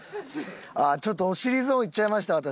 あっちょっとお尻ゾーンいっちゃいました私。